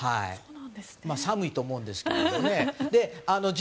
寒いと思うんですけどね。